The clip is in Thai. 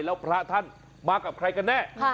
แล้วพระท่านมากับใครกันแน่